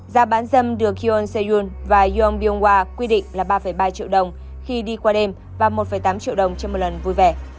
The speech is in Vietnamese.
giá bán dâm được hyun se yoon và yeon byung hwa quy định là ba ba triệu đồng khi đi qua đêm và một tám triệu đồng cho một lần vui vẻ